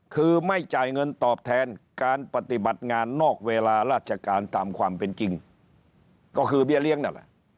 คือไม่จ่ายเงินตอบแทนการปฏิบัติงานนอกเวลาราชการตามความเป็นจริงก็คือเบี้ยเลี้ยงนั่นแหละ